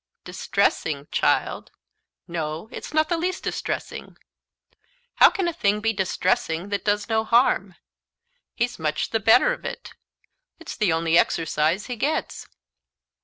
"Distressing, child! No it's not the least distressing. How can a thing be distressing that does no harm? He's much the better of it it's the only exercise he gets."